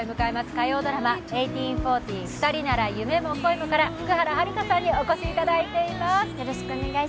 火曜ドラマ「１８／４０ふたりなら夢も恋も」から福原遥さんにお越しいただいています。